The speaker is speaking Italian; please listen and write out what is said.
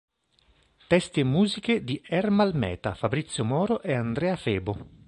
Testi e musiche di Ermal Meta, Fabrizio Moro e Andrea Febo.